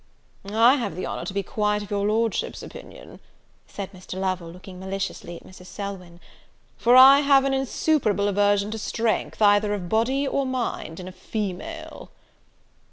"I have the honour to be quite of your Lordship's opinion," said Mr. Lovel, looking maliciously at Mrs. Selwyn; "for I have an insuperable aversion to strength, either of body or mind, in a female."